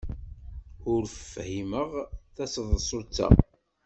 Ur fhimeɣ taseḍsut-a.